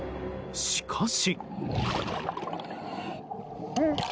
しかし。